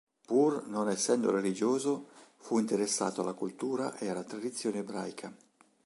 Pur non essendo religioso, fu interessato alla cultura e alla tradizione ebraica.